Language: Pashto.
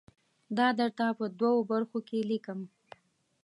دا درته په دوو برخو کې لیکم.